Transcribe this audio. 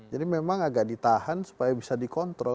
memang agak ditahan supaya bisa dikontrol